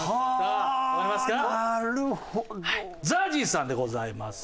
ＺＡＺＹさんでございます。